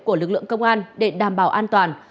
của lực lượng công an để đảm bảo an toàn